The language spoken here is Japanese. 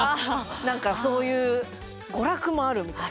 何かそういう娯楽もあるみたいな。